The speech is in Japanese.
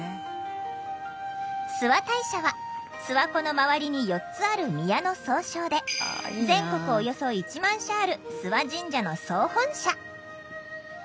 諏訪大社は諏訪湖の周りに４つある宮の総称で全国およそ１万社ある諏訪神社の総本社。